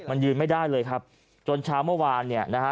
มันยืนไม่ได้เลยครับจนเช้าเมื่อวานเนี่ยนะฮะ